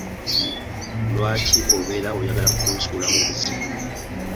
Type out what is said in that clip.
Lwaki obeera oyagala kunsuula mu buzibu?